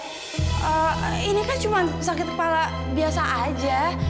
karena ini kan cuma sakit kepala biasa aja